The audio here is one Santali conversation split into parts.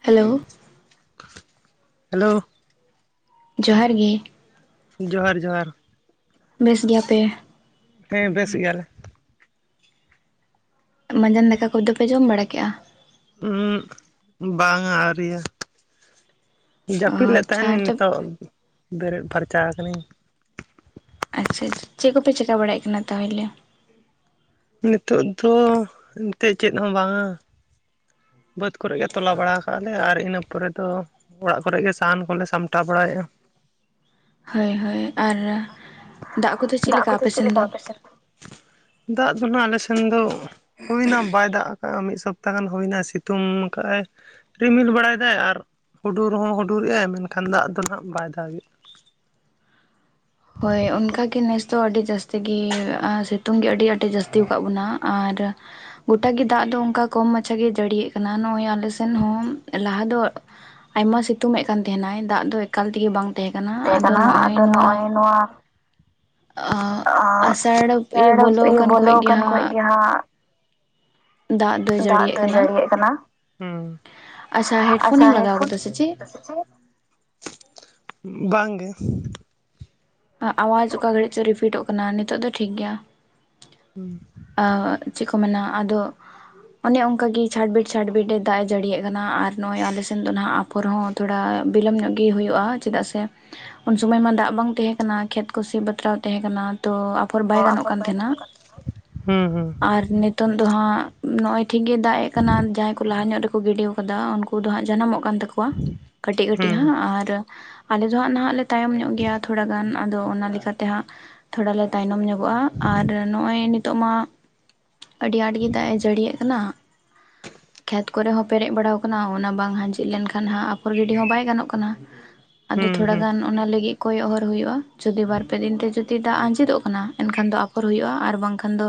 ᱦᱮᱞᱳ, ᱦᱮᱞᱳ, ᱡᱚᱦᱟᱨ ᱜᱮ᱾ ᱡᱚᱦᱟᱨ ᱡᱚᱦᱟᱨ᱾ ᱵᱮᱥ ᱜᱮᱭᱟ ᱯᱮ? ᱦᱮᱸ ᱵᱮᱥ ᱜᱮᱭᱟᱞᱮ᱾ ᱢᱟᱸᱡᱟᱱ ᱫᱟᱠᱟ ᱠᱚᱫᱚ ᱯᱮ ᱡᱚᱢ ᱵᱟᱲᱟ ᱠᱮᱜᱼᱟ? ᱦᱩᱸ ᱵᱟᱝ ᱟ ᱟᱹᱣᱨᱤᱭᱟ᱾ ᱚ ᱡᱟᱹᱯᱤᱫ ᱞᱮᱫ ᱟᱪᱪᱷᱟ ᱛᱟᱦᱮᱱ ᱟᱨ ᱛᱚ ᱱᱤᱛᱚᱜ ᱵᱮᱨᱮᱫ ᱯᱷᱟᱨᱪᱟ ᱠᱟᱹᱱᱟᱹᱧ᱾ ᱟᱪᱪᱷᱟ ᱟᱪᱪᱷᱟ ᱪᱮᱫ ᱠᱚᱯᱮ ᱪᱮᱠᱟ ᱵᱟᱲᱟᱭᱮᱫ ᱠᱟᱱᱟ ᱛᱟᱦᱚᱞᱮ? ᱱᱤᱛᱚᱜ ᱫᱚ, ᱱᱤᱛᱚᱜ ᱪᱮᱫ ᱦᱚᱸ ᱵᱟᱝ ᱟ? ᱵᱟᱹᱫᱽ ᱠᱚᱨᱮ ᱜᱮ ᱛᱚᱞᱟ ᱵᱟᱲᱟ ᱠᱟᱜᱼᱟ ᱞᱮ ᱟᱨ ᱤᱱᱟᱹ ᱯᱚᱨᱮ ᱫᱚ ᱚᱲᱟᱜ ᱠᱚᱨᱮ ᱜᱮ ᱥᱟᱦᱟᱱ ᱠᱚᱞᱮ ᱥᱟᱢᱴᱟᱣ ᱵᱟᱲᱟᱭᱮᱫᱼᱟ᱾ ᱦᱳᱭ ᱦᱳᱭ ᱟᱨ ᱫᱟᱜ ᱠᱚᱫᱚ ᱪᱮᱫ ᱞᱮᱠᱟ ᱟᱯᱮ ᱥᱮᱱ ᱫᱚ? ᱫᱟᱜ ᱫᱚ ᱱᱟᱦᱟᱜ ᱟᱞᱮ ᱥᱮᱱ ᱫᱚ ᱦᱩᱭᱱᱟ ᱵᱟᱭ ᱫᱟᱜ ᱠᱟᱜᱼᱟ ᱢᱤᱫ ᱥᱚᱯᱛᱟᱦ ᱜᱟᱱ ᱦᱩᱭᱱᱟ ᱥᱤᱛᱩᱝ ᱛᱩᱢ ᱠᱟᱜᱼ ᱟᱭ᱾ ᱨᱤᱢᱤᱞ ᱵᱟᱲᱟᱭ ᱮᱫᱟᱭ ᱟᱨ ᱦᱩᱰᱩᱨ ᱦᱚᱸ ᱦᱩᱰᱩᱨᱮᱜᱼᱟᱭ ᱢᱮᱱᱠᱷᱟᱱ ᱫᱟᱜ ᱫᱚ ᱱᱟᱦᱟᱜ ᱵᱟᱭ ᱫᱟᱜ ᱜᱮᱼᱟ᱾ ᱦᱳᱭ ᱚᱱᱠᱟ ᱜᱮ ᱱᱮᱥ ᱫᱚ ᱟᱹᱰᱤ ᱡᱟᱹᱥᱛᱤ ᱜᱮ ᱥᱤᱛᱩᱝ ᱜᱮ ᱟᱹᱰᱤ ᱟᱸᱴ ᱡᱟᱹᱥᱛᱤ ᱟᱠᱟᱫ ᱵᱚᱱᱟ ᱟᱨ ᱜᱚᱴᱟ ᱜᱮ ᱫᱟᱜ ᱫᱚ ᱚᱱᱠᱟ ᱠᱚᱢ ᱢᱟᱪᱷᱟ ᱜᱮ ᱡᱟᱹᱲᱤ ᱭᱮᱟᱜ ᱠᱟᱱᱟ ᱱᱚᱜᱼᱚᱭ ᱟᱞᱮ ᱥᱮᱱ ᱦᱚᱸ ᱞᱟᱦᱟ ᱫᱚ, ᱟᱭᱢᱟ ᱥᱤᱛᱩᱝ ᱮᱫ ᱠᱟᱱ ᱛᱟᱦᱮᱱᱟᱭ ᱫᱟᱜ ᱫᱚ ᱮᱠᱟᱞ ᱛᱮᱜᱮ ᱵᱟᱝ ᱛᱟᱦᱮᱸ ᱠᱟᱱᱟ ᱟᱫᱚ ᱱᱚᱜᱼᱚᱭ ᱱᱚᱣᱟ ᱱᱚᱣᱟ, ᱟᱥᱟᱲ ᱤᱭᱟᱹ ᱵᱚᱞᱚ ᱟᱠᱟᱱ ᱠᱷᱚᱡ ᱜᱮ ᱦᱟᱸᱜ ᱦᱟᱸᱜ, ᱫᱟᱜ ᱫᱚᱭ ᱡᱟᱹᱲᱤᱭᱟᱜ ᱠᱟᱱᱟ᱾ ᱦᱩᱸ, ᱟᱪᱪᱷᱟ ᱟᱪᱪᱷᱟ ᱦᱮᱰᱯᱷᱳᱱᱮᱢ ᱞᱟᱜᱟᱣ ᱦᱮᱰᱯᱷᱳᱱ ᱠᱟᱫᱟ ᱥᱮ ᱤᱭᱩᱥ ᱪᱮᱫ ᱫᱟ ᱥᱮ ᱪᱮᱫ? ᱵᱟᱝ ᱜᱮ᱾ ᱟᱣᱟᱡ ᱚᱠᱟ ᱜᱷᱟᱹᱲᱤᱡ ᱪᱚ ᱨᱤᱯᱷᱤᱴᱚᱜ ᱠᱟᱱᱟ ᱱᱤᱛᱚᱜ ᱫᱚ ᱴᱷᱤᱠ ᱜᱮᱭᱟ᱾ ᱦᱩᱸ, ᱟᱻ, ᱪᱮᱫ ᱠᱚ ᱢᱮᱱᱟ ᱟᱫᱚ, ᱟᱞᱮ ᱚᱱᱠᱟ ᱜᱮ ᱪᱷᱟᱲᱵᱤᱴ ᱪᱷᱟᱰᱵᱤᱴ ᱮ ᱫᱟᱜ ᱮ ᱡᱟᱹᱲᱤᱭᱟᱜ ᱠᱟᱱᱟ ᱟᱨ ᱱᱚᱜᱼᱚᱭ ᱟᱞᱮ ᱥᱮᱫ ᱫᱚ ᱱᱟᱦᱟᱜ ᱟᱯᱷᱚᱨ ᱦᱚᱸ ᱛᱷᱚᱲᱟ ᱵᱤᱞᱚᱢ ᱧᱚᱜ ᱜᱮ ᱦᱩᱭᱩᱜᱼᱟ ᱪᱮᱫᱟᱜ ᱥᱮ? ᱩᱱ ᱥᱩᱢᱚᱭ ᱢᱟ ᱫᱟᱜ ᱵᱟᱝ ᱛᱟᱦᱮᱸ ᱠᱟᱱᱟ ᱠᱷᱮᱛ ᱠᱚ ᱥᱤ ᱵᱟᱛᱨᱟᱣ ᱛᱟᱦᱮᱸ ᱠᱟᱱᱟ ᱛᱚ ᱟᱯᱷᱚᱨ ᱵᱟᱭ ᱜᱟᱱᱚᱜ ᱠᱟᱱ ᱛᱟᱦᱮᱸᱱᱟ᱾ ᱦᱩᱸ ᱦᱩᱸ᱾ ᱟᱨ ᱱᱤᱛᱳᱝ ᱫᱚ ᱦᱟᱸᱜ ᱱᱚᱜ-ᱚᱭ ᱴᱷᱤᱠ ᱜᱮ ᱫᱟᱜ ᱮᱜ ᱠᱟᱱᱟ ᱡᱟᱦᱟᱸᱭ ᱠᱚ ᱞᱟᱦᱟ ᱧᱚᱜ ᱨᱮᱠᱚ ᱜᱤᱰᱤ ᱠᱟᱫᱟ, ᱩᱱᱠᱩ ᱫᱚ ᱦᱟᱸᱜ, ᱡᱟᱱᱟᱢᱚᱜ ᱠᱟᱱ ᱛᱟᱠᱚᱣᱟ ᱠᱟᱹᱴᱤᱜ-ᱠᱟᱹᱴᱤᱜ ᱦᱩᱸ ᱦᱟᱸᱜ ᱟᱨ ᱟᱞᱮ ᱫᱚ ᱦᱟᱸᱜ, ᱱᱟᱦᱟᱜ ᱞᱮ ᱛᱟᱭᱚᱢ ᱧᱚᱜ ᱜᱮᱹᱭᱟ ᱛᱷᱚᱲᱟ ᱜᱟᱱ, ᱟᱫᱚ ᱚᱱᱟ ᱞᱮᱠᱟᱛᱮ ᱦᱟᱸᱜ ᱛᱷᱚᱲᱟ ᱞᱮ, ᱛᱟᱭᱱᱚᱢ ᱧᱚᱜ ᱜᱚᱜᱼᱟ ᱟᱨ ᱱᱚᱜᱼᱚᱭ ᱱᱤᱛᱚᱜ ᱢᱟ, ᱟᱹᱰᱤ ᱟᱴ ᱜᱮ ᱫᱟᱜᱼᱮ ᱡᱟᱹᱲᱤᱭᱮᱜ ᱠᱟᱱᱟ! ᱠᱷᱮᱛ ᱠᱚᱨᱮ ᱦᱚ ᱯᱮᱨᱮᱡ ᱵᱟᱲᱟᱣ ᱠᱟᱱᱟ, ᱚᱱᱟ ᱵᱟᱝ ᱦᱟᱸᱡᱮᱜ ᱞᱮᱱᱠᱷᱟᱱ ᱦᱟᱸᱜ, ᱟᱯᱷᱚᱨ ᱜᱤᱰᱤ ᱦᱚᱸ ᱵᱟᱭ ᱜᱟᱱᱚᱜ ᱠᱟᱱᱟ! ᱟᱫᱚ ᱦᱩᱸ ᱛᱷᱚᱲᱟ ᱦᱩᱸ ᱜᱟᱱ, ᱚᱱᱟ ᱞᱟᱹᱜᱤᱜ ᱠᱚᱭᱚᱜ ᱦᱚᱨ ᱦᱩᱭᱩᱜᱼᱟ᱾ ᱡᱩᱫᱤ ᱵᱟᱨ, ᱯᱮ ᱫᱤᱱ ᱛᱮ ᱡᱩᱫᱤ ᱫᱟᱜ ᱟᱸᱡᱮᱫᱚᱜ ᱠᱟᱱᱟ, ᱮᱱᱠᱷᱟᱱ ᱫᱚ ᱟᱯᱷᱚᱨ ᱦᱩᱭᱩᱜᱼᱟ ᱟᱨ ᱵᱟᱝᱠᱷᱟᱱ ᱫᱚ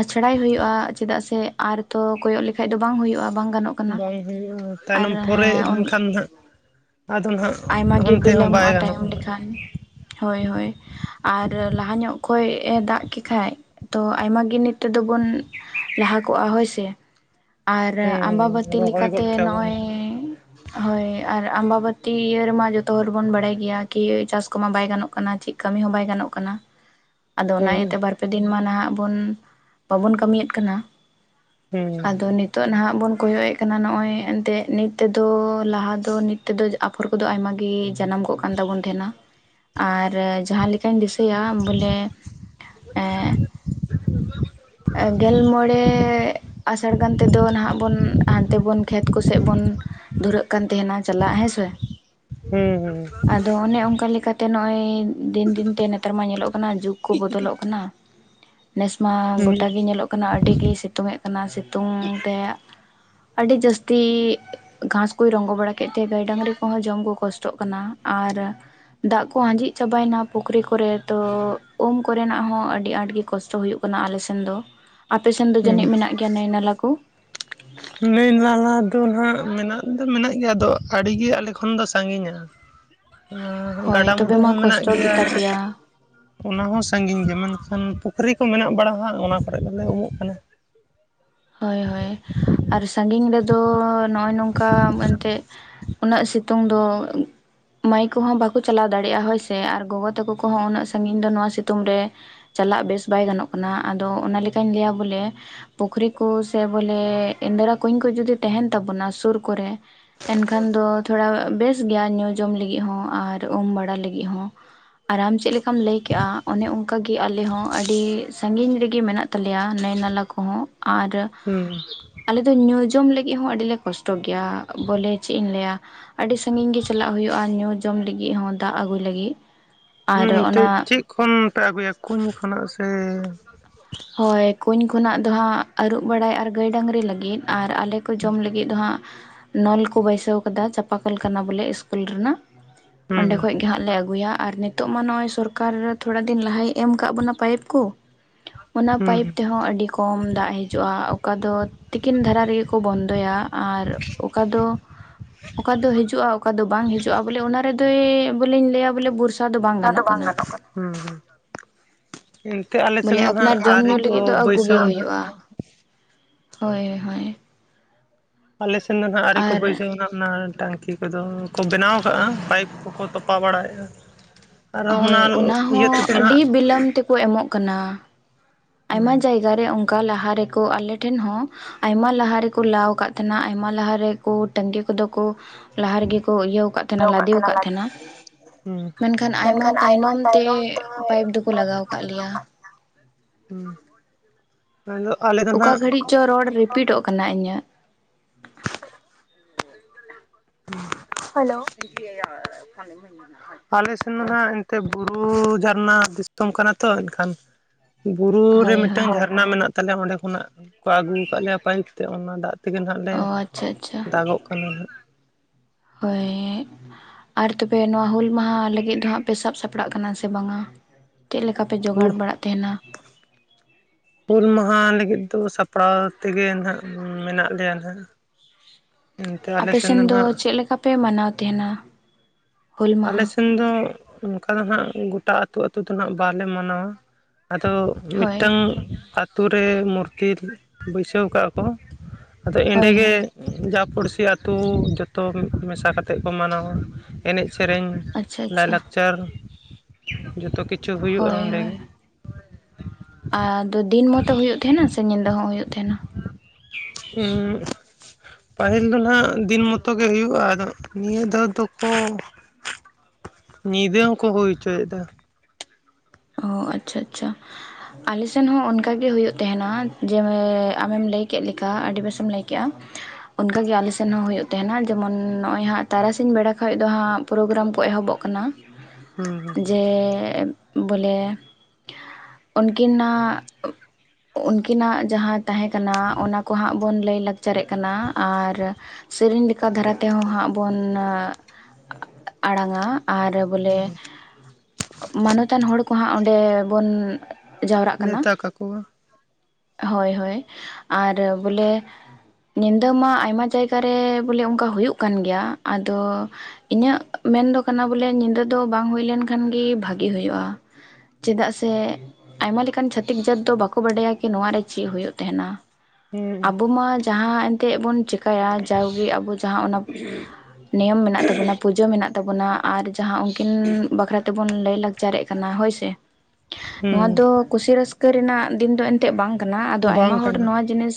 ᱟᱪᱷᱲᱟᱭ ᱦᱩᱭᱩᱜᱼᱟ᱾ ᱪᱮᱫᱟᱜ ᱥᱮ ᱟᱨ ᱛᱚ ᱠᱚᱭᱚᱜ ᱞᱮᱠᱷᱟᱡ ᱫᱚ ᱵᱟᱝ ᱦᱩᱭᱩᱜᱼᱟ, ᱵᱟᱝ ᱜᱟᱱᱚᱜ ᱠᱟᱱᱟ ᱵᱟᱝ ᱦᱩᱭᱩᱜᱼᱟ, ᱟᱨ ᱛᱟᱭᱱᱚᱢ ᱯᱚᱨᱮ ᱦᱮᱸ ᱮᱱᱠᱷᱟᱱ ᱦᱟᱸᱜ! ᱟᱫᱚ ᱱᱷᱟᱜ, ᱟᱭᱢᱟ ᱜᱮ ᱦᱚᱱᱛᱮ ᱦᱚᱸ ᱵᱟᱭ ᱵᱤᱞᱚᱢᱚᱜᱼᱟ ᱜᱟᱱᱚᱜ ᱛᱟᱭᱚᱢ ᱟᱸᱦᱟᱜ! ᱞᱮᱠᱷᱟᱱ ᱦᱳᱭ, ᱦᱳᱭ! ᱟᱨ ᱞᱟᱦᱟ ᱧᱚᱜ ᱠᱷᱚᱡᱼᱮ ᱫᱟᱜ ᱠᱮ ᱠᱷᱟᱡ ᱛᱚ ᱟᱭᱢᱟ ᱜᱮᱹ ᱱᱤᱛᱚ ᱫᱚ ᱵᱚᱱ ᱞᱟᱦᱟ ᱠᱚᱜᱼᱟ, ᱦᱳᱭ ᱥᱮ! ᱟᱨ ᱦᱩᱸ 'ᱟᱸᱵᱟᱵᱟᱛᱤ' ᱨᱚᱦᱚᱭ ᱞᱮᱠᱟᱛᱮ ᱜᱚᱫ ᱠᱮᱭᱟ ᱵᱚᱱ ᱱᱚᱜᱼᱚᱭ ᱦᱚᱭ ᱟᱨ 'ᱟᱸᱵᱟᱵᱟᱛᱤ' ᱤᱭᱟᱹ ᱨᱮᱢᱟ ᱡᱚᱛᱚ ᱦᱚᱨ ᱵᱚᱱ ᱵᱟᱲᱟᱭ ᱜᱮᱭᱟ, ᱠᱤ ᱪᱟᱥ ᱠᱚᱢᱟ ᱵᱟᱭ ᱜᱟᱱᱚᱜ ᱠᱟᱱᱟ, ᱪᱮᱹᱜ ᱠᱟᱢᱤ ᱦᱚᱸ ᱵᱟᱭ ᱜᱟᱱᱚᱜ ᱠᱟᱱᱟ! ᱟᱫᱚ, ᱚᱱᱟ ᱦᱩᱸ ᱤᱭᱟᱹᱛᱮ ᱵᱟᱨ, ᱯᱮ ᱫᱤᱱ ᱢᱟ ᱱᱟᱦᱟᱜ ᱵᱚᱱ, ᱵᱟᱵᱚᱱ ᱠᱟᱹᱢᱤᱭᱮᱫ ᱠᱟᱱᱟ᱾ ᱦᱩᱸ ᱟᱫᱚ ᱱᱤ- -ᱛᱚᱜ ᱱᱟᱦᱟᱜ ᱵᱚᱱ ᱠᱚᱭᱚᱼᱮᱜ ᱠᱟᱱᱟ ᱱᱚᱜᱼᱚᱭ ᱮᱱᱛᱮᱜ ᱱᱤᱛ ᱛᱮᱫᱚ, ᱞᱟᱦᱟ ᱫᱚ, ᱱᱤᱛ ᱛᱮᱫᱚ, ᱟᱯᱷᱚᱨ ᱠᱚᱫᱚ ᱟᱭᱢᱟᱜᱮᱹ ᱡᱟᱱᱟᱢ ᱠᱚᱜ ᱠᱟᱱ ᱛᱟᱵᱚᱱ ᱛᱷᱮᱱᱟ ᱟᱨ ᱡᱟᱦᱟᱸ ᱞᱮᱹᱠᱟᱹᱧ ᱫᱤᱥᱟᱹᱭᱟ ᱵᱚᱞᱮ [inaudible] ᱮ ᱜᱮᱞ ᱢᱚᱬᱮᱜ ᱟᱥᱟᱲ ᱜᱟᱱ ᱛᱮᱫᱚ ᱱᱟᱦᱟᱜ ᱵᱚᱱ, ᱦᱟᱱᱛᱮ ᱵᱚᱱ, ᱠᱷᱮᱛ ᱠᱚᱥᱮᱜ ᱵᱚᱱ ᱫᱷᱩᱨᱟᱹᱜ ᱠᱟᱱ ᱛᱮᱦᱮᱱᱟ ᱪᱟᱞᱟᱜ ᱦᱮᱸᱥᱮ! ᱦᱩᱸ ᱟᱫᱚ ᱚᱱᱮ ᱚᱝᱠᱟ ᱞᱮᱠᱟ- -ᱛᱮ ᱱᱚᱜᱼᱚᱭ ᱫᱤᱱ-ᱫᱤᱱᱛᱮ ᱱᱮᱛᱟᱨ ᱢᱟ ᱧᱮᱞᱚᱜ ᱠᱟᱱᱟ, ᱡᱩᱜᱽ ᱠᱚ ᱵᱚᱫᱚᱞᱚᱜ ᱠᱟᱱᱟᱻ᱾ ᱱᱮᱹᱥ ᱢᱟ ᱦᱩᱸ ᱜᱚᱴᱟ ᱜᱮ ᱧᱮᱞᱚᱜ ᱠᱟᱱᱟ, ᱟᱹᱰᱤ ᱜᱮ ᱥᱤᱛᱩᱝᱮᱜ ᱠᱟᱱᱟ᱾ ᱥᱤᱛᱩᱝ ᱛᱮ ᱟᱹᱰᱤ ᱡᱟᱹᱥᱛᱤ ᱜᱷᱟᱸᱥ ᱠᱚᱭ ᱨᱚᱸᱜᱚ ᱵᱟᱲᱟ ᱠᱮᱜ ᱛᱮ ᱜᱟᱹᱭ, ᱰᱟᱹᱝᱨᱤ ᱠᱚᱦᱚᱸ ᱡᱚᱢ ᱠᱚ ᱠᱚᱥ ᱪᱚᱜ ᱠᱟᱱᱟ ᱟᱨ ᱫᱟᱜ ᱠᱚ ᱟᱸᱡᱮᱹᱜ ᱪᱟᱵᱟᱭᱱᱟ ᱯᱩᱠᱷᱨᱤ ᱠᱚᱨᱮ ᱛᱚ, ᱩᱢ ᱠᱚᱨᱮᱱᱟᱜ ᱦᱚᱸ ᱟᱹᱰᱤ ᱟᱸᱴ ᱜᱮ ᱠᱚᱥᱴᱚ ᱦᱩᱭᱩᱜ ᱠᱟᱱᱟ ᱟᱞᱮᱥᱮᱱ ᱫᱚ, ᱟᱯᱮᱥᱮᱱ ᱫᱚ ᱡᱟᱹᱱᱤᱡ ᱦᱩᱸ ᱢᱮᱱᱟᱜ ᱜᱮᱭᱟ ᱱᱟᱹᱭ-ᱱᱟᱞᱟ ᱠᱚ? ᱱᱟᱹᱭ-ᱱᱟᱞᱟ ᱫᱚ ᱱᱷᱟᱜ ᱢᱮᱱᱟᱜ ᱫᱚ, ᱢᱮᱱᱟᱜ ᱜᱮ ᱟᱫᱚ, ᱟᱰᱤᱜᱮ ᱟᱞᱮ ᱠᱷᱚᱱ ᱫᱚ ᱥᱟᱸᱜᱤᱧᱟ! ᱟᱸ ᱦᱳᱭ ᱛᱚᱵᱮ ᱜᱟᱰᱟ-ᱢᱩᱰᱩ ᱢᱟ ᱦᱚᱸ ᱢᱮᱱᱟᱜ ᱠᱚᱥᱴᱚ ᱜᱮᱭᱟ᱾ ᱜᱮᱛᱟ ᱯᱮᱭᱟ ᱚᱱᱟ ᱦᱚᱸ ᱥᱟᱸᱜᱤᱧ ᱜᱮ, ᱢᱮᱱᱠᱷᱟᱱ ᱯᱩᱠᱷᱨᱤ ᱠᱚ ᱢᱮᱱᱟᱜ ᱵᱟᱲᱟ ᱦᱟᱸᱜ᱾ ᱚᱱᱟ ᱠᱚᱨᱮ ᱜᱮᱞᱮ ᱩᱢᱩᱜ ᱠᱟᱱᱟ᱾ ᱦᱚᱭ, ᱦᱚᱭ ᱟᱨ ᱥᱟᱸᱜᱤᱧ ᱨᱮᱫᱚ ᱱᱚᱜᱼᱚᱭ ᱱᱚᱝᱠᱟ ᱩᱸ ᱮᱱᱛᱮᱜ ᱩᱱᱟᱹᱜ ᱥᱤ ᱛᱩᱝ ᱫᱚ ᱢᱟᱭ ᱠᱚᱦᱚᱸ ᱵᱟᱠᱚ ᱪᱟᱞᱟᱣ ᱫᱟᱲᱮᱜᱼᱟ ᱦᱳᱭ ᱥᱮ ᱟᱨ ᱜᱚᱜᱚ ᱛᱟᱠᱚ ᱠᱚᱦᱚᱸ ᱩᱱᱟᱹᱜ ᱥᱟᱸᱜᱤᱧ ᱫᱚ, ᱱᱚᱣᱟ ᱥᱤᱛᱩᱢ ᱨᱮ! ᱪᱟᱞᱟᱜ ᱵᱮᱥ ᱵᱟᱭ ᱜᱟᱱᱚᱜ ᱠᱟᱱᱟ᱾ ᱟᱫᱚ ᱚᱱᱟ ᱞᱮᱹᱠᱟᱹᱧ ᱞᱟᱹᱭᱟ ᱵᱚᱞᱮ ᱯᱩᱠᱷᱨᱤ ᱠᱩ ᱥᱮ ᱵᱚᱞᱮᱹ, ᱤᱱᱫᱽᱨᱟ ᱠᱩᱧ ᱠᱚ ᱡᱩᱫᱤ ᱛᱟᱦᱮᱸᱱ ᱛᱟᱵᱚᱱᱟ, ᱥᱩᱨ ᱠᱚᱨᱮ᱾ ᱮᱱᱠᱷᱟᱱ ᱫᱚ ᱛᱷᱚᱲᱟ ᱵᱮᱥ ᱜᱮᱭᱟ ᱧᱩ, ᱡᱚᱢ ᱞᱤᱜᱤᱜ ᱦᱚᱸ ᱟᱨ ᱩᱢ ᱵᱟᱲᱟ ᱞᱤᱜᱤᱫ ᱦᱚᱸ᱾ ᱟᱨᱟᱢ ᱪᱮᱜ ᱞᱮᱠᱟᱢ ᱞᱟᱹᱭ ᱠᱮᱜᱼᱟ, ᱚᱱᱮ ᱚᱝᱠᱟᱜᱮ ᱠᱤ ᱟᱞᱮ ᱦᱚᱸ ᱟᱰᱤ ᱥᱟᱺᱜᱤᱧ ᱨᱮᱜᱮ ᱢᱮᱱᱟᱜ ᱛᱟᱞᱮᱭᱟ ᱱᱟᱹᱭ-ᱱᱟᱞᱟ ᱠᱚᱦᱚᱸ ᱟᱨ ᱩᱸ᱾ ᱟᱞᱮ ᱫᱚ ᱧᱩ-ᱡᱚᱢ ᱞᱟᱹᱜᱤᱜ ᱦᱚᱸ ᱟᱰᱤᱞᱮ ᱠᱚᱥᱴᱚ ᱜᱮᱭᱟ᱾ ᱵᱚᱞᱮ ᱪᱮᱜ ᱤᱧ ᱞᱟᱹᱭᱟ! ᱟᱹᱰᱤ ᱥᱟᱺᱜᱤᱧ ᱜᱮᱹ ᱪᱟᱞᱟᱜ ᱦᱩᱭᱩᱜᱼᱟ, ᱧᱩ-ᱡᱚᱢ ᱞᱤᱜᱤᱜ ᱦᱚᱸ, ᱫᱟᱜ ᱟᱹᱜᱩᱭ ᱞᱟᱹᱜᱤᱜ᱾ ᱦᱩᱸ ᱛᱮᱜ ᱪᱮᱜ ᱠᱷᱚᱱ ᱯᱮ ᱟᱹᱜᱩᱭᱟ, ᱠᱩᱧ ᱠᱷᱚᱱᱟᱜ ᱥᱮ? ᱦᱚᱭ, ᱠᱩᱧ ᱠᱷᱚᱱᱟᱜ ᱫᱚ ᱦᱟᱸᱜ ᱟᱨᱩᱵ ᱵᱟᱲᱟᱭ ᱟᱨ ᱜᱟᱹᱭ, ᱰᱟᱹᱝᱨᱤ ᱞᱟᱹᱜᱤᱫ ᱟᱨ ᱟᱞᱮ ᱠᱚ ᱡᱚᱢ ᱞᱤᱜ ᱜᱤᱜ ᱫᱚ ᱦᱟᱸᱜ ᱱᱚᱞ ᱠᱚ ᱵᱟᱹᱭᱥᱟᱹᱣ ᱠᱟᱫᱟ᱾ 'ᱪᱟᱯᱟᱠᱚᱞ' ᱠᱟᱱᱟ ᱵᱚᱞᱮ 'ᱤᱥᱠᱩᱞ' ᱨᱮᱱᱟᱜ᱾ ᱚᱸᱰᱮ ᱦᱩᱸ ᱠᱷᱚᱡ ᱜᱮ ᱦᱟᱸᱜ ᱞᱮ ᱟᱹᱜᱩᱭᱟ ᱟᱨ ᱱᱤᱛ ᱛᱚᱜ ᱢᱟ ᱱᱚᱜᱼᱚᱭ ᱥᱚᱨᱠᱟᱨ ᱛᱷᱚᱲᱟ ᱫᱤᱱ ᱞᱟᱦᱟᱭ ᱮᱢ ᱟᱠᱟᱜ ᱵᱚᱱᱟ ᱯᱟᱭᱤᱯ ᱠᱚ ᱾ ᱚᱱᱟ ᱦᱩᱸ ᱦᱩᱸ ᱯᱟᱭᱤᱯ ᱛᱮᱦᱚᱸ ᱟᱹᱰᱤ ᱠᱚᱢ ᱫᱟᱜ ᱦᱤᱡᱩᱜᱼᱟ, ᱚᱠᱟ ᱫᱚ ᱛᱤᱠᱤᱱ ᱫᱷᱟᱨᱟ ᱨᱮᱜᱮ ᱠᱚ ᱵᱚᱱᱫᱚᱭᱟ ᱟᱨ ᱚᱠᱟ ᱫᱚ ᱚᱠᱟ ᱫᱚ ᱦᱤᱡᱩᱜᱼᱟ ᱚᱠᱟ ᱫᱚ ᱵᱟᱝ ᱦᱤᱡᱩᱜᱼᱟ ᱵᱚᱞᱮ ᱚᱱᱟ ᱨᱮᱫᱚᱭ ᱵᱚᱞᱮᱧ ᱞᱟᱹᱭᱟ ᱵᱚᱞᱮ ᱵᱚᱨᱥᱟ ᱫᱚ ᱵᱟᱝ ᱜᱟᱱᱚᱜ ᱠᱟᱱᱟ ᱾ ᱦᱮᱸ ᱦᱮᱸ, ᱮᱱᱛᱮᱜ ᱟᱞᱮ ᱵᱚᱞᱮ ᱥᱮᱱ ᱫᱚ ᱟᱯᱱᱟᱨ ᱦᱟᱸᱜ ᱡᱚᱢ ᱟᱹᱣᱨᱤ ᱧᱩ ᱠᱚ ᱞᱟᱹᱜᱤᱫ ᱫᱚ ᱟᱹᱜᱩ ᱜᱮ ᱵᱟᱹᱭᱥᱟᱹᱣᱟ ᱱᱟᱦᱟᱜ ᱾ ᱦᱩᱭᱩᱜᱼᱟ ᱦᱳᱭ, ᱦᱳᱭ ᱾ ᱟᱞᱮᱥᱮᱱ ᱫᱚ ᱱᱟᱦᱟᱜ ᱟᱹᱣᱨᱤ ᱠᱚ ᱟᱨ ᱵᱟᱹᱭᱥᱟᱹ ᱱᱟᱦᱟᱜ ᱚᱱᱟ ᱴᱟᱝᱠᱤ ᱾ ᱚᱠᱚᱭ ᱫᱚ ᱠᱚ ᱵᱮᱱᱟᱣ ᱟᱠᱟᱜᱼᱟ ᱯᱟᱭᱤᱯ ᱠᱚᱠᱚ ᱛᱚᱯᱟ ᱵᱟᱲᱟᱭᱮᱜᱼᱟ ᱾ ᱦᱳᱭ, ᱚᱱᱟ ᱦᱚᱸ ᱟᱹᱰᱤ ᱱᱟᱦᱟᱜ ᱵᱤᱞᱟᱢ ᱛᱮᱠᱚ ᱮᱢᱚᱜ ᱠᱟᱱᱟ ᱾ ᱟᱭᱢᱟ ᱡᱟᱭᱜᱟ ᱨᱮ ᱚᱝᱠᱟ ᱞᱟᱦᱟ ᱨᱮᱠᱚ ᱟᱞᱮᱴᱷᱮᱱ ᱦᱚᱸ ᱟᱭᱢᱟ ᱞᱟᱦᱟ ᱨᱮᱠᱚ ᱞᱟᱹᱣ ᱟᱠᱟᱫ ᱛᱟᱦᱮᱸᱱᱟ, ᱟᱭᱢᱟ ᱞᱟᱦᱟ ᱨᱮᱠᱚ ᱴᱟᱺᱜᱤ ᱠᱚᱫᱚ ᱠᱚ ᱞᱟᱦᱟ ᱨᱮᱜᱮ ᱠᱚ ᱤᱭᱟᱹᱣ ᱟᱠᱟᱫ ᱛᱟᱦᱮᱸᱱᱟ ᱞᱟᱫᱮᱣ ᱠᱟᱫ ᱛᱟᱦᱮᱱᱟ ᱾ ᱦᱩᱸ ᱢᱮᱱᱠᱷᱟᱱ ᱟᱭᱢᱟ ᱛᱟᱭᱱᱚᱢ ᱛᱮ ᱯᱟᱭᱤᱯ ᱫᱚᱠᱚ ᱞᱟᱜᱟᱣ ᱠᱟᱜ ᱞᱮᱭᱟ ᱾ ᱦᱩᱸ, ᱟᱫᱚ ᱟᱞᱮ ᱫᱚ ᱚᱠᱟ ᱱᱟᱦᱟᱜ ᱜᱷᱟᱹᱲᱤᱡ ᱪᱚ ᱨᱚᱲ ᱨᱤᱯ ᱯᱤᱴᱚᱜ ᱠᱟᱱᱟ ᱤᱧᱟᱹᱜ ᱾ [inaudible] ᱦᱮᱞᱳ! [inaudible] ᱟᱞᱮ ᱥᱮᱱ ᱫᱚ ᱱᱟᱦᱟᱜ ᱮᱱᱛᱮᱫ ᱵᱩᱨᱩ ᱡᱷᱟᱨᱱᱟ ᱫᱤᱥᱚᱢ ᱠᱟᱱᱟ ᱛᱚ, ᱮᱱᱠᱷᱟᱱ ᱵᱩᱨᱩ ᱨᱮ ᱦᱳᱭ ᱦᱳᱭ ᱢᱤᱫᱴᱟᱝ ᱡᱷᱟᱨᱱᱟ ᱢᱮᱱᱟᱜ ᱛᱟᱞᱮᱭᱟ ᱚᱸᱰᱮ ᱠᱷᱚᱱᱟᱜ ᱠᱚ ᱟᱹᱜᱩ ᱠᱟᱜ ᱞᱮᱭᱟ ᱯᱟᱭᱤᱯ ᱛᱮ ᱚᱱᱟ ᱫᱟᱜ ᱛᱮᱜᱮ ᱱᱟᱜ ᱞᱮ ᱚ ᱟᱪᱪᱷᱟ ᱟᱪᱪᱷᱟ, ᱫᱟᱜᱚᱜ ᱠᱟᱱᱟ ᱱᱟᱜ ᱦᱳᱭ! ᱟᱨ ᱛᱚᱵᱮ ᱱᱚᱣᱟ ᱦᱩᱞ ᱢᱟᱦᱟ ᱞᱟᱹᱜᱤᱫ ᱫᱚ ᱦᱟᱸᱜ ᱯᱮ ᱥᱟᱯ ᱥᱟᱯᱲᱟᱜ ᱠᱟᱱᱟ ᱥᱮ ᱵᱟᱝᱟ? ᱪᱮᱫ ᱞᱮᱠᱟ ᱯᱮ ᱡᱚᱜᱟᱲ ᱵᱟᱲᱟᱜ ᱛᱷᱮᱦᱮᱸᱱᱟ? ᱦᱩᱞ ᱢᱟᱦᱟᱸ ᱞᱟᱹᱜᱤᱫ ᱫᱚ ᱥᱟᱯᱲᱟᱣ ᱛᱮᱜᱮ ᱱᱟᱦᱟᱸᱜ ᱢᱮᱱᱟᱜ ᱞᱮᱭᱟ ᱱᱟᱦᱟᱜ ᱾ ᱟᱯᱮ ᱥᱮᱱ ᱫᱚ ᱱᱟᱦᱟᱜ ᱪᱮᱫ ᱞᱮᱠᱟ ᱯᱮ ᱢᱟᱱᱟᱣ ᱛᱮᱦᱮᱱᱟ? ᱟᱞᱮ ᱥᱮᱱ ᱫᱚ ᱚᱝᱠᱟ ᱫᱚ ᱦᱟᱸᱜ ᱜᱳᱴᱟ ᱟᱛᱩ ᱟᱛᱩ ᱫᱚ ᱱᱟᱦᱟᱸᱜ ᱵᱟᱞᱮ ᱢᱟᱱᱟᱣᱟ ᱾ ᱟᱫᱚ ᱦᱳᱭ ᱢᱤᱫᱴᱟᱝ ᱟᱛᱩ ᱨᱮ ᱢᱩᱨᱛᱤᱞ ᱵᱟᱹᱭᱥᱟᱹᱣ ᱠᱟᱜᱼᱟ ᱠᱚ ᱾ ᱟᱫᱚ ᱦᱳᱭ ᱮᱸᱰᱮᱜᱮ ᱦᱳᱭ ᱡᱟ ᱯᱩᱲᱥᱤ ᱟᱛᱩ ᱡᱚᱛᱚᱢ ᱢᱮᱥᱟ ᱠᱟᱛᱮᱜ ᱠᱚ ᱢᱟᱱᱟᱣᱟ ᱮᱱᱮᱡ, ᱥᱮᱨᱮᱧ, ᱟᱪᱪᱷᱟ ᱟᱪᱪᱷᱟ ᱞᱟᱭᱼᱞᱟᱠᱪᱟᱨ ᱡᱚᱛᱚ ᱠᱤᱪᱷᱩ ᱦᱩᱭᱩᱜᱼᱟ ᱚᱸᱰᱮ ᱜᱮ ᱾ ᱟᱻᱫᱚ ᱫᱤᱱ ᱢᱚᱛᱚ ᱦᱩᱭᱩᱜ ᱛᱷᱮᱦᱮᱱᱟ ᱥᱮ ᱧᱤᱫᱟᱹ ᱦᱚᱸ ᱦᱩᱭᱩᱜ ᱛᱷᱮᱦᱮᱱᱟ? ᱯᱟᱹᱦᱤᱞ ᱫᱚ ᱱᱟᱦᱟᱜ ᱫᱤᱱ ᱢᱚᱛᱚ ᱜᱮ ᱦᱩᱭᱩᱜᱼᱟ, ᱟᱫᱚ ᱱᱤᱭᱟᱹ ᱫᱷᱟᱣ ᱫᱚᱠᱚ ᱧᱤᱫᱟᱹ ᱦᱚᱸᱠᱚ ᱦᱩᱭ ᱦᱚᱪᱚᱭᱮᱫᱟ ᱾ ᱚᱸ, ᱟᱪᱪᱷᱟ ᱟᱪᱪᱷᱟ ᱾ ᱟᱞᱮ ᱥᱮᱱ ᱦᱚᱸ ᱚᱱᱠᱟᱜᱮ ᱦᱩᱭᱩᱜ ᱛᱟᱸᱦᱮᱱᱟ ᱡᱮᱢᱮ ᱟᱢᱮᱢ ᱞᱟᱹᱭ ᱠᱮᱜ ᱞᱮᱠᱟ ᱟᱰᱤ ᱵᱮᱥᱮᱢ ᱞᱟᱹᱭ ᱠᱮᱜᱼᱟ ᱾ ᱚᱱᱠᱟ ᱜᱮ ᱟᱞᱮ ᱥᱮᱱ ᱦᱚᱸ ᱦᱩᱭᱩᱜ ᱛᱟᱸᱦᱮᱱᱟ, ᱡᱮᱢᱚᱱ ᱱᱚᱜᱼᱚᱭ ᱦᱟᱸᱜ ᱛᱟᱨᱟᱥᱤᱧ ᱵᱮᱲᱟ ᱠᱷᱚᱡ ᱫᱚ ᱦᱟᱸᱜ ᱯᱨᱳᱜᱨᱟᱢ ᱠᱚ ᱮᱦᱚᱵᱚᱜ ᱠᱟᱱᱟ ᱦᱩᱸ ᱡᱮ ᱵᱚᱞᱮ ᱩᱱᱠᱤᱱᱟᱜ ᱩᱱᱠᱤᱱᱟᱜ ᱡᱟᱦᱟᱸ ᱛᱟᱦᱮᱸ ᱠᱟᱱᱟ ᱚᱱᱟ ᱠᱚᱦᱟᱸᱜ ᱵᱚᱱ ᱞᱟᱹᱭ ᱞᱟᱹ ᱪᱟᱨᱮᱜ ᱠᱟᱱᱟ ᱟᱨ ᱥᱮᱨᱮᱧ ᱞᱮ ᱚᱠᱟ ᱫᱷᱟᱨᱟ ᱛᱮᱦᱚᱸ ᱦᱟᱸᱜ ᱵᱚᱱ ᱟᱲᱟᱝᱟ ᱟᱨ ᱵᱚᱞᱮ ᱦᱩᱸ ᱢᱟᱱᱚᱛᱟᱱ ᱦᱚᱲ ᱠᱚ ᱦᱟᱸᱜ ᱚᱸᱰᱮᱻ ᱵᱚᱱᱻ ᱡᱟᱣᱨᱟᱜ ᱠᱟᱱᱟ ᱱᱮᱣᱛᱟ ᱠᱟᱠᱚᱣᱟ ᱾ ᱦᱳᱭ, ᱦᱳᱭ, ᱟᱨ ᱵᱚᱞᱮ ᱧᱤᱫᱟᱹ ᱢᱟ ᱟᱭᱢᱟ ᱡᱟᱭᱜᱟᱨᱮ ᱵᱚᱞᱮ ᱚᱝᱠᱟ ᱦᱩᱭᱩᱜ ᱠᱟᱱ ᱜᱮᱭᱟ, ᱟᱫᱚ ᱤᱧᱟᱹᱜ ᱢᱮᱱᱫᱚ ᱠᱟᱱᱟ ᱵᱚᱞᱮ ᱧᱤᱫᱟᱹ ᱫᱚ ᱵᱟᱝ ᱦᱩᱭ ᱞᱮᱱᱠᱷᱟᱱ ᱜᱮ ᱵᱷᱟᱹᱜᱤ ᱦᱩᱭᱩᱜᱼᱟ᱾ ᱪᱮᱫᱟᱜ ᱥᱮ ᱟᱭᱢᱟ ᱞᱮᱠᱟᱱ ᱪᱷᱟᱹᱛᱤᱠ ᱡᱟᱹᱛ ᱫᱚ ᱵᱟᱠᱚ ᱵᱟᱠᱚ ᱵᱟᱰᱟᱭᱟ ᱠᱤ ᱱᱚᱣᱟ ᱨᱮ ᱪᱮᱜ ᱦᱩᱭᱩᱜ ᱛᱟᱦᱮᱱᱟ᱾ ᱦᱩᱸ ᱟᱵᱚ ᱢᱟ ᱡᱟᱦᱟᱸ ᱮᱱᱛᱮᱜ ᱵᱚᱱ ᱪᱮᱠᱟᱭᱟ ᱡᱟᱣᱜᱮ ᱟᱵᱚ ᱡᱟᱦᱟᱸ ᱚᱱᱟ ᱱᱮᱭᱚᱢ ᱢᱮᱱᱟᱜ ᱛᱟᱵᱚᱱᱟ, ᱯᱩᱡᱟᱹ ᱢᱮᱱᱟᱜ ᱛᱟᱵᱚᱱᱟ, ᱟᱨ ᱡᱟᱦᱟᱸ ᱩᱱᱠᱤᱱ ᱵᱟᱠᱷᱨᱟ ᱛᱮᱵᱚᱱ ᱞᱟᱹᱭ ᱞᱟᱠᱪᱟᱨᱮᱜ ᱠᱟᱱᱟ ᱦᱚᱭᱥᱮ, ᱱᱚᱣᱟ ᱦᱩᱸ ᱫᱚ ᱠᱩᱥᱤ ᱨᱟᱹᱥᱠᱟᱹ ᱨᱮᱱᱟᱜ ᱫᱤᱱ ᱫᱚ ᱛᱮᱜ ᱵᱟᱝ ᱠᱟᱱᱟ ᱟᱫᱚ ᱵᱟᱝ ᱟᱭᱢᱟ ᱦᱚᱲ ᱠᱟᱱᱟ ᱱᱚᱣᱟ ᱡᱤᱱᱤᱥ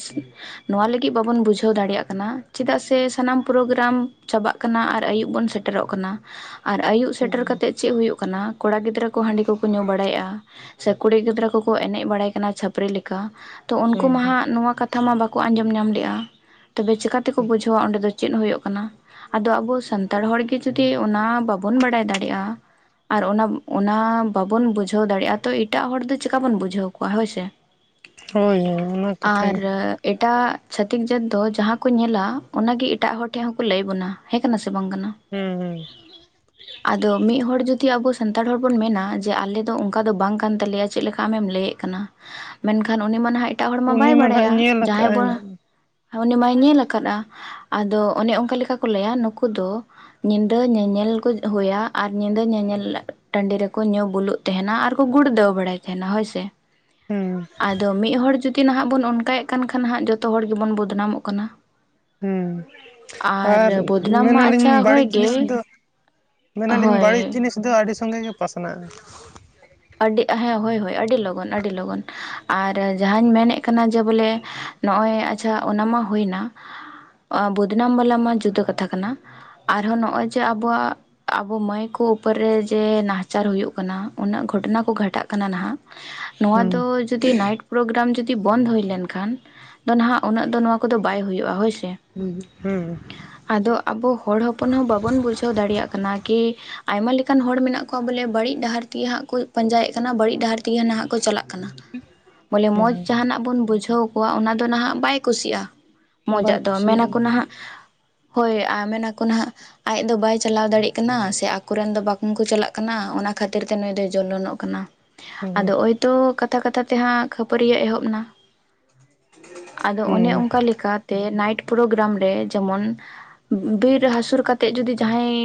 ᱱᱚᱣᱟ ᱞᱟᱹᱜᱤᱜ ᱵᱟᱵᱚᱱ ᱵᱩᱡᱷᱟᱹᱣ ᱫᱟᱲᱮᱭᱟᱜ ᱠᱟᱱᱟ ᱪᱮᱫᱟᱜ ᱥᱮ ᱥᱟᱱᱟᱢ ᱯᱨᱚᱜᱨᱟᱢ ᱪᱟᱵᱟᱜ ᱠᱟᱱᱟ ᱟᱨ ᱟᱭᱩᱵ ᱵᱚᱱ ᱥᱮᱴ ᱴᱮᱨᱚᱜ ᱠᱟᱱᱟ, ᱟᱨ ᱟᱭᱩᱵ ᱥᱮᱴᱮᱨ ᱦᱩᱸ ᱠᱟᱛᱮᱜ ᱪᱮᱜ ᱦᱩᱭᱩᱜ ᱠᱟᱱᱟ, ᱠᱚᱲᱟ ᱜᱤᱫᱽᱨᱟᱹ ᱠᱚ ᱦᱟᱺᱰᱤ ᱠᱚᱠᱚ ᱧᱩ ᱵᱟᱲᱟᱭᱮᱜᱼᱟ, ᱥᱮ ᱠᱩᱲᱤ ᱜᱤᱫᱽᱨᱟᱹ ᱠᱚᱠᱚ ᱮᱱᱮᱜ ᱵᱟᱲᱟᱭ ᱠᱟᱱᱟ ᱪᱷᱟᱹᱯᱨᱤ ᱞᱮᱠᱟ᱾ ᱛᱚ ᱩᱱᱠᱩ ᱦᱩᱸ ᱦᱩᱸ ᱢᱟᱦᱟᱸᱜ ᱱᱚᱣᱟ ᱠᱟᱛᱷᱟ ᱢᱟ ᱵᱟᱠᱚ ᱟᱸᱡᱚᱢ ᱧᱟᱢ ᱞᱮᱜᱼᱟ, ᱛᱚᱵᱮ ᱪᱮᱠᱟ ᱛᱮᱠᱚ ᱵᱩᱡᱷᱟᱹᱣᱟ ᱚᱸᱰᱮ ᱫᱚ ᱪᱮᱫ ᱦᱩᱭᱩᱜ ᱠᱟᱱᱟ ᱟᱫᱚ ᱟᱵᱚ ᱥᱟᱱᱛᱟᱲ ᱦᱚᱲᱜᱮ ᱡᱩᱫᱤ ᱚᱱᱟ ᱵᱟᱵᱚᱱ ᱵᱟᱰᱟᱭ ᱫᱟᱲᱮᱜᱼᱟ᱾ ᱟᱨ ᱚᱱᱟ ᱚᱱᱟ ᱵᱟᱵᱚᱱ ᱵᱩᱡᱷᱟᱹᱣ ᱫᱟᱲᱮᱭᱟᱜᱼᱟ ᱛᱚ ᱮᱴᱟᱜ ᱦᱚᱲ ᱫᱚ ᱪᱮᱠᱟ ᱵᱚᱱ ᱵᱩᱡᱷᱟᱹᱣ ᱠᱚᱣᱟ ᱦᱚᱭ ᱥᱮ᱾ ᱦᱳᱭ ᱦᱳᱭ ᱚᱱᱟ ᱠᱟᱛᱷᱟ ᱟᱨ ᱜᱮ ᱮᱴᱟᱜ ᱪᱷᱟᱹᱛᱤᱠ ᱡᱟᱹᱛ ᱫᱚ ᱡᱟᱦᱟᱸ ᱠᱚ ᱧᱮᱞᱟ ᱚᱱᱟ ᱜᱮ ᱮᱴᱟᱜ ᱦᱚᱲ ᱴᱷᱮᱱ ᱦᱚᱸᱠᱚ ᱞᱟᱹᱭ ᱵᱚᱱᱟ, ᱦᱮᱸ ᱠᱟᱱᱟ ᱥᱮ ᱵᱟᱝ ᱠᱟᱱᱟ? ᱦᱩᱸ ᱦᱩᱸ᱾ ᱟᱫᱚ ᱢᱤᱫ ᱦᱚᱲ ᱡᱩᱫᱤ ᱟᱵᱚ ᱥᱟᱱ ᱛᱟᱲ ᱦᱚᱲ ᱵᱚᱱ ᱢᱮᱱᱟ ᱡᱮ ᱟᱞᱮ ᱫᱚ ᱚᱝᱠᱟ ᱫᱚ ᱵᱟᱝ ᱠᱟᱱ ᱛᱟᱞᱮᱭᱟ ᱪᱮᱫ ᱞᱮᱠᱟ ᱟᱢᱮᱢ ᱞᱟᱹᱭᱮᱜ ᱠᱟᱱᱟ᱾ ᱢᱮᱱᱠᱷᱟᱱ ᱩᱱᱤ ᱢᱟ ᱱᱟᱦᱟᱜ ᱮᱴᱟᱜ ᱦᱚᱲ ᱢᱟ ᱵᱟᱭ ᱩᱱᱤ ᱱᱟᱦᱟᱜ ᱵᱟᱰᱟᱭᱟ ᱧᱮᱞ ᱡᱟᱦᱟᱸᱭ ᱟᱠᱟᱜᱼᱟᱭ ᱵᱚ ᱦᱟᱹᱱᱤ ᱢᱟᱭ ᱧᱮᱞ ᱟᱠᱟᱫᱼᱟ, ᱟᱫᱚ ᱚᱱᱮ ᱚᱝᱠᱟ ᱞᱮᱠᱟ ᱠᱚ ᱞᱟᱹᱭᱟ ᱱᱩᱠᱩ ᱫᱚ ᱧᱤᱫᱟᱹ ᱧᱮᱧᱮᱞ ᱠᱚ ᱦᱩᱭᱟ ᱟᱨ ᱧᱤᱫᱟᱹ ᱧᱮᱧᱮᱞ ᱴᱟᱺᱰᱤ ᱨᱮᱠᱚ ᱧᱩ ᱵᱩᱞᱩᱜ ᱛᱮᱸᱦᱮᱱᱟ ᱟᱨ ᱠᱚ ᱜᱩᱲᱫᱟᱹᱣ ᱵᱟᱲᱟᱭ ᱛᱮᱸᱦᱮᱱᱟ ᱦᱚᱭ ᱥᱮ᱾ ᱦᱩᱸ ᱟᱫᱚ ᱢᱤᱫ ᱦᱚᱲ ᱡᱩ ᱡᱩᱫᱤ ᱱᱟᱦᱟᱜ ᱵᱚᱱ ᱚᱱᱠᱟᱭᱮᱫ ᱠᱟᱱ ᱠᱷᱟᱱ ᱦᱟᱜ ᱡᱚᱛᱚ ᱦᱚᱲ ᱜᱮᱵᱚᱱ ᱵᱚᱫᱱᱟᱢᱚᱜ ᱠᱟᱱᱟ᱾ ᱦᱩᱸ, ᱟᱨ ᱵᱚᱫᱱᱟᱢ ᱢᱟ ᱢᱮᱱᱟᱞᱤᱧ ᱟᱪᱪᱷᱟ ᱦᱳᱭ ᱵᱟᱹᱲᱤᱡ ᱜᱮ ᱡᱤᱱᱤᱥ ᱫᱚ ᱢᱮᱱᱟᱞᱤᱧ ᱵᱟᱹᱲᱤᱡ ᱦᱳᱭ ᱡᱤᱱᱤᱥ ᱫᱚ ᱟᱹᱰᱤ ᱥᱚᱸᱜᱮ ᱜᱮ ᱯᱟᱥᱱᱟᱜᱼᱟ᱾ ᱟᱹᱰᱤ ᱦᱮᱸ ᱦᱚᱭ ᱦᱚᱭ ᱟᱹᱰᱤ ᱞᱚᱜᱚᱱ ᱟᱹᱰᱤ ᱞᱚᱜᱚᱱ, ᱟᱨ ᱡᱟᱦᱟᱧ ᱢᱮᱱᱮᱫ ᱠᱟᱱᱟ ᱡᱮ ᱵᱚᱞᱮ ᱱᱚᱜᱼᱚᱭ ᱟᱪᱪᱷᱟ ᱚᱱᱟ ᱢᱟ ᱦᱩᱭ ᱮᱱᱟ, ᱵᱚᱫᱱᱟᱢ ᱵᱟᱞᱟ ᱢᱟ ᱡᱩᱫᱟᱹ ᱠᱟᱛᱷᱟ ᱠᱟᱱᱟ᱾ ᱟᱨᱦᱚ ᱱᱚᱜᱼᱚᱭ ᱡᱮ ᱟᱵᱚᱣᱟᱜ ᱟᱵᱚ ᱢᱟᱹᱭ ᱠᱚ ᱩᱯᱟᱹᱨ ᱨᱮ ᱡᱮ ᱱᱟᱦᱟᱪᱟᱨ ᱦᱩᱭᱩᱜ ᱠᱟᱱᱟ ᱩᱱᱟᱹᱜ ᱜᱷᱚᱴᱚᱱᱟ ᱠᱚ ᱜᱷᱟᱴᱟᱜ ᱠᱟᱱᱟ ᱱᱟᱦᱟᱜ, ᱱᱚᱣᱟ ᱦᱩᱸ ᱫᱚ ᱡᱩᱫᱤ ᱱᱟᱭᱤᱴ ᱯᱨᱚᱜᱨᱟᱢ ᱡᱩᱫᱤ ᱵᱚᱱᱫ ᱦᱩᱭ ᱞᱮᱱ ᱠᱷᱟᱱ ᱫᱚᱱᱟᱦᱟᱜ ᱩᱱᱟᱹᱜ ᱫᱚ ᱱᱚᱣᱟ ᱠᱚᱫᱚ ᱵᱟᱭ ᱦᱩᱭᱩᱜᱼᱟ ᱦᱚᱭ ᱥᱮ᱾ ᱦᱩᱸ ᱦᱩᱸ ᱾ ᱟᱫᱚ ᱟᱵᱚ ᱦᱚᱲ ᱦᱚᱯᱚᱱ ᱦᱚᱸ ᱵᱟᱵᱚᱱ ᱵᱩᱡᱷᱟᱹᱣ ᱫᱟᱲᱮᱭᱟᱜ ᱠᱟᱱᱟ ᱠᱤ ᱟᱭᱢᱟ ᱞᱮᱠ ᱮᱠᱟᱱ ᱦᱚᱲ ᱢᱮᱱᱟᱜ ᱠᱚᱣᱟ ᱵᱚᱞᱮ ᱵᱟᱹᱲᱤᱡ ᱰᱟᱦᱟᱨ ᱛᱮᱜᱮ ᱦᱟᱸᱜ ᱠᱚ ᱯᱟᱸᱡᱟᱭᱮᱜ ᱠᱟᱱᱟ ᱵᱟᱹᱲᱤᱡ ᱰᱟᱦᱟᱨ ᱛᱮᱜᱮ ᱱᱟᱦᱟᱜ ᱠᱚ ᱪᱟᱞᱟᱜ ᱠᱟᱱᱟ, ᱵᱚᱞᱮ ᱢᱚᱡᱽ ᱡᱟᱦᱟᱱᱟᱜ ᱵᱚᱱ ᱵᱩᱡᱷᱟᱹᱣ ᱠᱚᱣᱟ ᱚᱱᱟ ᱫᱚ ᱱᱟᱦᱟᱜ ᱵᱟᱭ ᱠᱩᱥᱤᱜᱼᱟ ᱵᱟᱭ ᱢᱚᱡᱟᱜ ᱫᱚ, ᱢᱮᱱᱟᱠᱚ ᱠᱩᱥᱤᱭᱟᱜᱼᱟ ᱱᱟᱦᱟᱜ ᱦᱚᱭ ᱟ ᱢᱮᱱᱟᱠᱚ ᱱᱟᱦᱟᱜ ᱟᱡ ᱫᱚ ᱵᱟᱭ ᱪᱟᱞᱟᱣ ᱫᱟᱲᱮᱭᱟᱜ ᱠᱟᱱᱟ, ᱥᱮ ᱟᱠᱚᱨᱮᱱ ᱫᱚ ᱵᱟᱠᱚ ᱠᱚ ᱪᱟᱞᱟᱜ ᱠᱟᱱᱟ ᱚᱱᱟ ᱠᱷᱟᱹᱛᱤᱨ ᱛᱮ ᱱᱩᱭ ᱫᱚ ᱡᱚᱞᱚᱱᱚᱜ ᱠᱟᱱᱟ ᱦᱩᱸ ᱟᱫᱚ ᱚᱭᱛᱚ ᱠᱟᱛᱷᱟ ᱠᱟᱛᱷᱟ ᱛᱮᱦᱟᱸᱜ ᱠᱷᱟᱹᱯᱟᱹᱨᱤᱭᱟᱹ ᱮᱦᱚᱵ ᱮᱱᱟ᱾ ᱟᱫᱚ ᱚᱱᱮ ᱦᱩᱸ ᱚᱱᱠᱟ ᱞᱮᱠᱟᱛᱮ ᱱᱟᱭᱤᱴ ᱯᱨᱚᱜᱨᱟᱢ ᱨᱮ ᱡᱮᱢᱚᱱ ᱵᱤᱨ ᱦᱟᱹᱥᱩᱨ ᱠᱟᱛᱮᱫ ᱡᱩᱫᱤ ᱡᱟᱦᱟᱸᱭ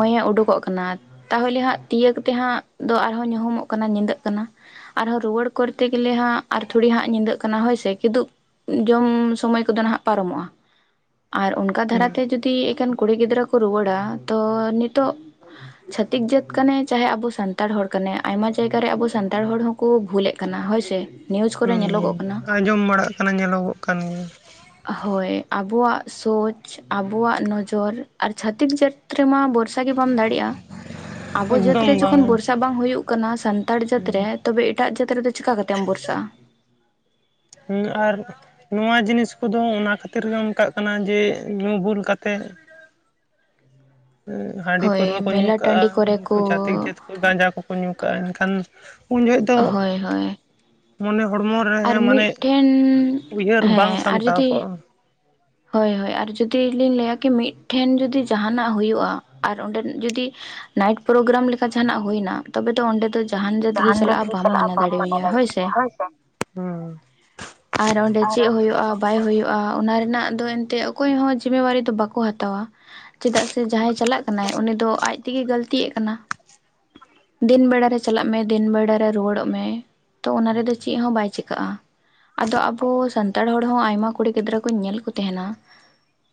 ᱢᱟᱹᱭᱮ ᱩᱰᱩᱠᱚᱜ ᱠᱟᱱᱟ᱾ ᱛᱟᱦᱚᱞᱮ ᱦᱟᱸᱜ ᱛᱤᱭᱟᱜ ᱛᱮ ᱦᱟᱸᱜ ᱫᱚ ᱟᱨᱦᱚᱸ ᱧᱩᱦᱩᱢᱚᱜ ᱠᱟᱱᱟ ᱧᱤᱫᱟᱹᱜ ᱠᱟᱱᱟ᱾ ᱟᱨᱦᱚᱸ ᱨᱩᱣᱟᱹᱲ ᱠᱚᱨᱛᱮ ᱜᱮᱞᱮ ᱦᱟᱸᱜ ᱟᱨ ᱛᱷᱚᱲᱤ ᱦᱟᱸᱜ ᱧᱤᱫᱟᱹᱜ ᱠᱟᱱᱟ ᱦᱳᱭᱥᱮ ᱠᱤᱫᱩ ᱡᱚᱢ ᱥᱩᱢᱚᱭ ᱠᱚᱫᱚ ᱱᱟᱦᱟᱜ ᱯᱟᱨᱚᱢᱚᱜᱼᱟ ᱟᱨ ᱚᱱᱠᱟ ᱦᱩᱸ ᱫᱷᱟᱨᱟᱛᱮ ᱡᱩᱫᱤ ᱮᱠᱮᱱ ᱠᱩᱲᱤ ᱜᱤᱫᱽᱨᱟᱹ ᱠᱚ ᱠᱚ ᱨᱩᱣᱟᱹᱲᱟ ᱛᱚ ᱱᱤᱛᱚᱜ ᱪᱷᱟᱹᱛᱤᱠ ᱡᱟᱹᱛ ᱠᱟᱱᱟᱭ ᱪᱟᱦᱮ ᱟᱵᱚ ᱥᱟᱱᱛᱟᱲ ᱥᱟᱱᱛᱟᱲ ᱦᱚᱲ ᱠᱟᱱᱟᱭ ᱟᱭᱢᱟ ᱡᱟᱭᱜᱟ ᱨᱮ ᱟᱵᱚ ᱥᱟᱱᱛᱟᱲ ᱦᱚᱲ ᱦᱚᱸᱠᱚ ᱵᱷᱩᱞᱮᱫ ᱠᱟᱱᱟ ᱦᱳᱭ ᱥᱮ ᱱᱤᱭᱩᱡ ᱠᱚᱨᱮ ᱦᱩᱸ ᱧᱮᱞᱚᱜᱚᱜ ᱠᱟᱱᱟ ᱟᱸᱡᱚᱢ ᱵᱟᱲᱟᱜ ᱠᱟᱱᱟ ᱧᱮᱞᱚᱜᱚᱜ ᱠᱟᱱ ᱜᱮᱭᱟ ᱦᱳᱭ ᱟᱵᱚᱣᱟᱜ ᱥᱳᱪ ᱟᱵᱚᱣᱟᱜ ᱱᱚᱡᱚᱨ ᱟᱨ ᱪᱷᱟᱛᱤᱠ ᱡᱟᱛ ᱨᱮᱢᱟ ᱵᱚᱨᱥᱟ ᱵᱚᱨᱥᱟ ᱜᱮ ᱵᱟᱢ ᱫᱟᱲᱮᱭᱟᱜᱼᱟ ᱟᱵᱚ ᱡᱟᱹᱛ ᱮᱠᱫᱚᱢ ᱨᱮ ᱵᱟᱝ ᱡᱚᱠᱷᱚᱱ ᱵᱚᱨᱥᱟ ᱵᱟᱝ ᱦᱩᱭᱩᱜ ᱠᱟᱱᱟ ᱦᱩᱭᱩᱜ ᱠᱟᱱᱟ ᱥᱟᱱᱛᱟᱲ ᱡᱟᱹᱛ ᱨᱮ ᱛᱚᱵᱮ ᱮᱴᱟᱜ ᱡᱟᱹᱛ ᱨᱮᱫᱚ ᱪᱤᱠᱟ ᱠᱟᱛᱮᱢ ᱵᱷᱚᱨᱥᱟᱜᱼᱟ ᱦᱮᱸ ᱟᱨ ᱱᱚᱣᱟ ᱡᱤᱱᱤᱥ ᱠᱚᱫᱚ ᱚᱱᱟ ᱠᱷᱟᱹᱛᱤᱨ ᱜᱮ ᱚᱱᱠᱟᱜ ᱠᱟᱱᱟ ᱡᱮ ᱧᱩ ᱵᱩᱞ ᱠᱟᱛᱮᱫ ᱦᱟᱺᱰᱤ ᱯᱟᱹᱨᱣᱟᱹ ᱦᱳᱭ ᱠᱚ ᱧᱩ ᱢᱮᱞᱟ ᱠᱟᱜᱼᱟ ᱴᱟᱺᱰᱤ ᱠᱚᱨᱮ ᱩᱱᱠᱩ ᱪᱷᱟᱹᱛᱤᱠ ᱡᱟᱹᱛ ᱠᱚ ᱜᱟᱸᱡᱟ ᱠᱚ ᱠᱚ ᱧᱩ ᱠᱟᱜᱼᱟ ᱮᱱᱠᱷᱟᱱ ᱩᱱ ᱡᱚᱦᱚᱜ ᱫᱚ ᱦᱳᱭ ᱦᱳᱭ ᱢᱚᱱᱮ ᱦᱚᱲᱢᱚ ᱨᱮ ᱟᱨ ᱢᱟᱱᱮ ᱢᱤᱫᱴᱷᱮᱱ ᱩᱭᱦᱟᱹᱨ ᱵᱟᱝ ᱦᱮᱸ ᱟᱨ ᱥᱟᱢᱴᱟᱣ ᱡᱩᱫᱤ ᱠᱚᱜᱼᱟ ᱦᱳᱭ ᱦᱳᱭ ᱟᱨ ᱡᱩᱫᱤ ᱞᱤᱧ ᱞᱟᱹᱭᱟ ᱠᱤ ᱢᱤᱫᱴᱷᱮᱱ ᱡᱩᱫᱤ ᱡᱟᱦᱟᱱᱟᱜ ᱦᱩᱭᱩᱜᱼᱟ ᱟᱨ ᱚᱸᱰᱮᱱᱟᱜ ᱡᱩᱫᱤ ᱱᱟᱭᱤᱴ ᱯᱨᱳᱜᱨᱟᱢ ᱞᱮᱠᱟ ᱡᱟᱦᱟᱱᱟᱜ ᱦᱩᱭᱱᱟ ᱛᱚᱵᱮ ᱫᱚ ᱚᱸᱰᱮ ᱫᱚ ᱡᱟᱦᱟᱱ ᱡᱟᱹᱛᱜᱴ ᱜᱮ ᱪᱟᱞᱟᱜᱼᱟ ᱵᱟᱢ ᱢᱟᱱᱟᱣ ᱫᱟᱲᱮᱣᱟᱭᱟ ᱦᱳᱭ ᱥᱮ ᱦᱩᱸ ᱟᱨ ᱚᱸᱰᱮ ᱪᱮᱫ ᱟᱨ ᱦᱳᱭᱳᱜᱼᱟ ᱵᱟᱭ ᱦᱳᱭᱳᱜᱼᱟ ᱚᱱᱟ ᱨᱮᱱᱟᱜ ᱫᱚ ᱮᱱᱛᱮ ᱚᱠᱚᱭ ᱦᱚᱸ ᱡᱤᱢᱮᱵᱟᱨᱤ ᱫᱚ ᱵᱟᱠᱚ ᱦᱟᱛᱟᱣᱟ ᱪᱮᱫᱟᱜ ᱥᱮ ᱡᱟᱦᱟᱸᱭ ᱪᱟᱞᱟᱜ ᱠᱟᱱᱟᱭ ᱩᱱᱤ ᱫᱚ ᱟᱡ ᱛᱮᱜᱮ ᱜᱟᱹᱞᱛᱤᱭᱮᱜ ᱠᱟᱱᱟ ᱫᱤᱱ ᱵᱮᱲᱟ ᱨᱮ ᱪᱟᱞᱟᱜ ᱢᱮ ᱫᱤᱱ ᱵᱮᱲᱟ ᱨᱮ ᱨᱩᱣᱟᱹᱲᱚᱜ ᱢᱮ ᱛᱚ ᱚᱱᱟ ᱨᱮᱫᱚ ᱪᱮᱫ ᱦᱚᱸ ᱵᱟᱭ ᱪᱤᱠᱟᱹᱜᱼᱟ ᱟᱫᱚ ᱟᱵᱚ ᱥᱟᱱᱛᱟᱲ ᱦᱚᱲ ᱦᱚᱸ ᱟᱭᱢᱟ ᱠᱩᱲᱤ ᱜᱤᱫᱽᱨᱟᱹ ᱠᱚ ᱧᱮᱞ ᱠᱚ ᱛᱟᱦᱮᱱᱟ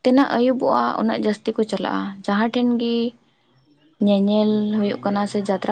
ᱛᱤᱱᱟᱹᱜ ᱟᱹᱭᱩᱵᱚᱜᱼᱟ ᱩᱱᱟᱹᱜ ᱡᱟᱹᱥᱛᱤ ᱠᱚ ᱪᱟᱞᱟᱜᱼᱟ ᱡᱟᱦᱟᱸ ᱴᱷᱮᱱ ᱜᱮ ᱧᱮᱧᱮᱞ ᱦᱳᱭᱳᱜ ᱠᱟᱱᱟ ᱥᱮ ᱡᱟᱛᱨᱟ